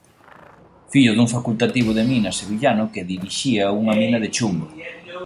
Fillo dun facultativo de minas sevillano que dirixía unha mina de chumbo.